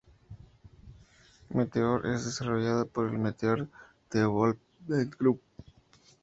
Meteor es desarrollado por el "Meteor Development Group".